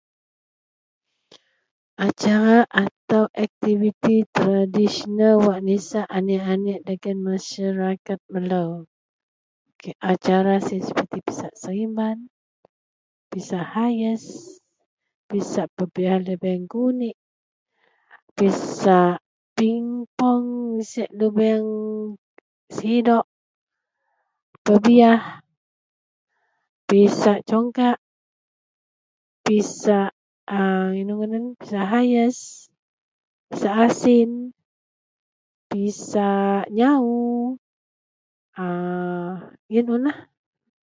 . Acara atau aktiviti tradisional wak nisak aneak-aneak dagen masarakat melou. Acara siyen seperti pisak serimban, pisak ayes, pisak pebiyah lubeang gunik, pisak ping pong nesek lubeang sidok pebiyah, pisak congkak, pisak a inou ngadan pisak ayes, pisak asin, pisak nyawu. A yen unlah.